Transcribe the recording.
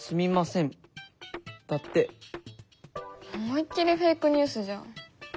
思いっ切りフェイクニュースじゃん。